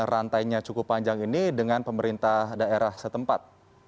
rantainya cukup panjang ini dengan pemerintah daerah setempat